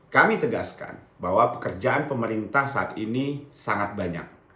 kami tegaskan bahwa pekerjaan pemerintah saat ini sangat banyak